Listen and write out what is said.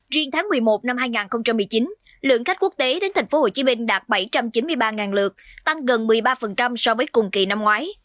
riêng tháng một mươi một năm hai nghìn một mươi chín lượng khách quốc tế đến thành phố hồ chí minh đạt bảy trăm chín mươi ba lượt tăng gần một mươi ba so với cùng kỳ năm ngoái